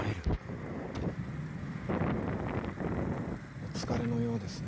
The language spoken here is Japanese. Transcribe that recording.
お疲れのようですね。